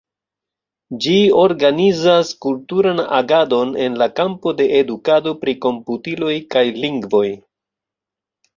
Ĝi organizas kulturan agadon en la kampo de edukado pri komputiloj kaj lingvoj.